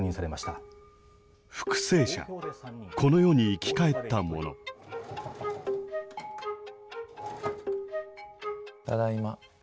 ただいま。